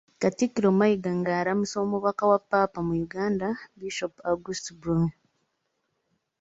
Katikkiro Mayiga nga alamusa omubaka wa Ppaapa mu Uganda, Bishop August Blume.